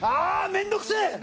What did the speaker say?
面倒くせえ！